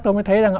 tôi mới thấy rằng